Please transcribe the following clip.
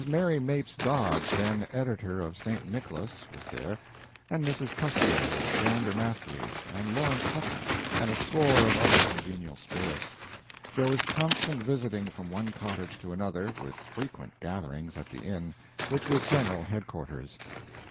Mary Mapes Dodge, then editor of St. Nicholas, was there, and Mrs. Custer and Brander Matthews and Lawrence Hutton and a score of other congenial spirits. There was constant visiting from one cottage to another, with frequent gatherings at the Inn, which was general headquarters.